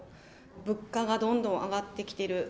物価がどんどん上がってきている。